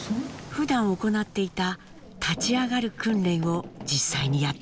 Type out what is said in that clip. ふだん行っていた立ち上がる訓練を実際にやってみます。